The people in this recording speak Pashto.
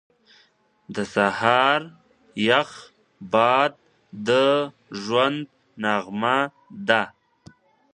• د سهار یخ باد د ژوند نغمه ده.